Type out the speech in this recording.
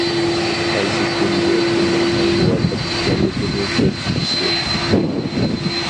قايسى تۈرگە كىمنىڭ ئەڭ مۇۋاپىق ئىكەنلىكىنى كۆرسىتىشتى.